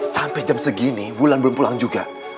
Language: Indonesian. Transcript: sampai jam segini bulan belum pulang juga